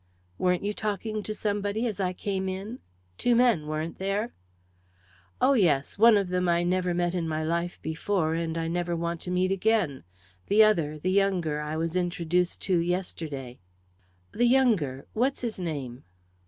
"Weren't you talking to somebody as I came in? two men, weren't there?" "Oh yes! One of them I never met in my life before, and I never want to meet again. The other, the younger, I was introduced to yesterday." "The younger what's his name?"